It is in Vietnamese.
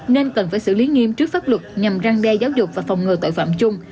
nên cần phải xử lý nghiêm trước pháp luật nhằm răng đe giáo dục và phòng ngừa tội phạm chung